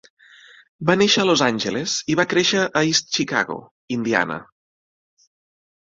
Va néixer a Los Angeles i va créixer a East Chicago, Indiana.